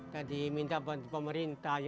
tadi minta bantu pemerintah